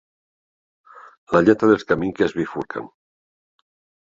La lletra dels camins que es bifurquen.